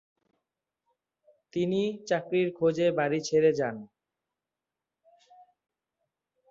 তিনি চাকরির খোঁজে বাড়ি ছেড়ে যান।